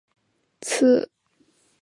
次年九月又被命为大学士。